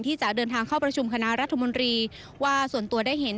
ที่จะเดินทางเข้าประชุมคณะรัฐมนตรีว่าส่วนตัวได้เห็น